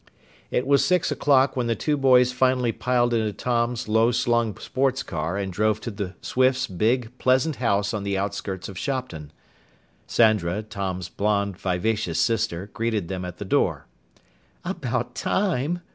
It was six o'clock when the two boys finally piled into Tom's low slung sports car and drove to the Swifts' big, pleasant house on the outskirts of Shopton. Sandra, Tom's blond, vivacious sister, greeted them at the door. "About time!"